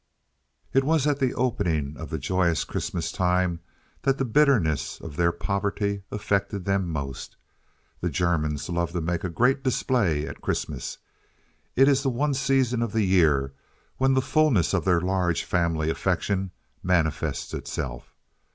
It was at the opening of the joyous Christmas time that the bitterness of their poverty affected them most. The Germans love to make a great display at Christmas. It is the one season of the year when the fullness of their large family affection manifests itself.